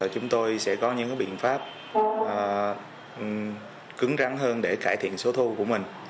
chúng tôi sẽ có những biện pháp cứng rắn hơn để cải thiện số thu của mình